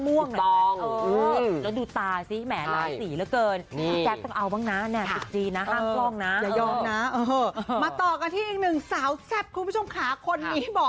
มาต่อกันที่อีกหนึ่งสาวแซ่บคุณผู้ชมค่ะคนนี้บอก